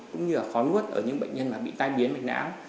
cũng như là khó nuốt ở những bệnh nhân bị tai biến bệnh não